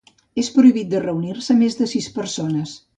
És prohibit de reunir-se més de sis persones.